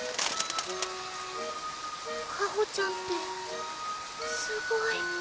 香穂ちゃんってすごい。